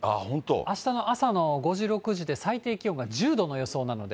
あしたの朝の５時、６時で最低気温が１０度の予想なので。